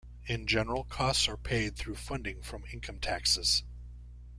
In general, costs are paid through funding from income taxes.